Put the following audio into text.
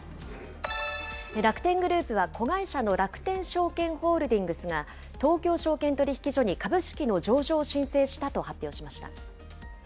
楽天グループは子会社の楽天証券ホールディングスが、東京証券取引所に株式の上場を申請したと発表しました。